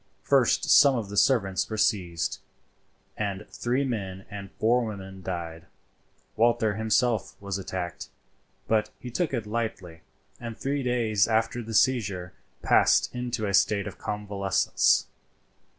First some of the servants were seized, and three men and four women died. Walter himself was attacked, but he took it lightly, and three days after the seizure passed into a state of convalescence.